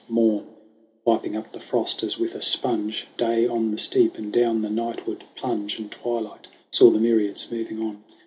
Morn, wiping up the frost as with a sponge, Day on the steep and down the nightward plunge, And Twilight saw the myriads moving on.